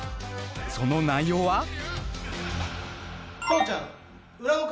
その内容は？